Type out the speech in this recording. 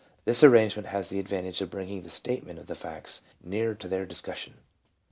This arrange ment has the advantage of bringing the statement of the facts nearer to their discussion.